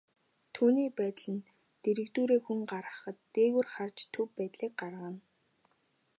Түүний байдал нь дэргэдүүрээ хүн гарахад, дээгүүр харж төв байдлыг гаргана.